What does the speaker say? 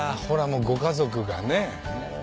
もうご家族がね。